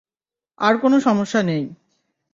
আর কোনো সমস্যা নেই।